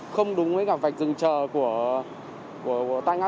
không đúng với cả vạch dừng chờ của tại ngã bốn